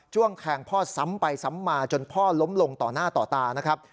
้วงแทงพ่อซ้ำไปซ้ำมาจนพ่อล้มลงต่อหน้าต่อตานะครับ